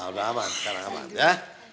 nah udah aman sekarang aman ya